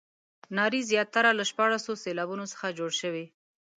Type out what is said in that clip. نارې زیاتره له شپاړسو سېلابونو څخه جوړې شوې.